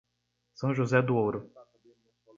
São José do Ouro